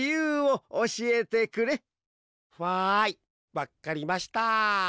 わっかりました。